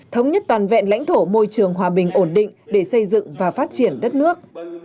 thống nhất toàn vẹn lãnh thổ môi trường hòa bình ổn định để xây dựng và phát triển đất nước